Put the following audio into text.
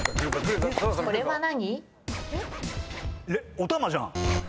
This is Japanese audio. おたまじゃん。